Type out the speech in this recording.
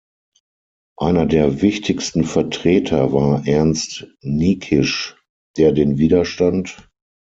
Einer der wichtigsten Vertreter war Ernst Niekisch, der den "Widerstand.